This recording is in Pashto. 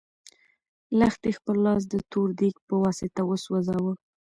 لښتې خپل لاس د تور دېګ په واسطه وسوځاوه.